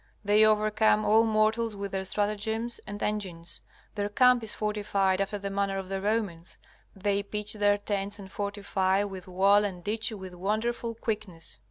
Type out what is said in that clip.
They overcome all mortals with their stratagems and engines. Their camp is fortified after the manner of the Romans. They pitch their tents and fortify with wall and ditch with wonderful quickness.